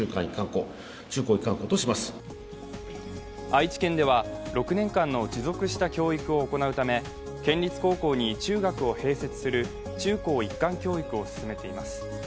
愛知県では６年間の持続した教育を行うため県立高校に中学を併設する中高一貫教育を進めています。